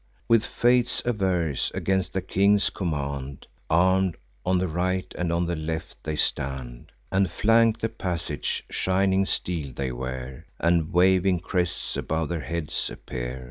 With fates averse, against their king's command, Arm'd, on the right and on the left they stand, And flank the passage: shining steel they wear, And waving crests above their heads appear.